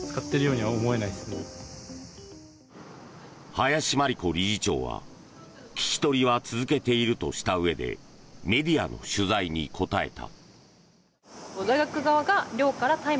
林真理子理事長は聞き取りは続けているとしたうえでメディアの取材に答えた。